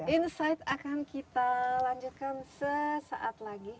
insight akan kita lanjutkan sesaat lagi